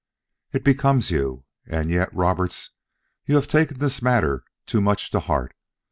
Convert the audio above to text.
"It becomes you, and yet Roberts, you have taken this matter too much to heart.